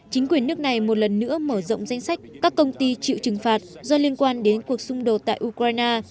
chính quyền nước này một lần nữa mở rộng danh sách các công ty chịu trừng phạt do liên quan đến cuộc xung đột tại ukraine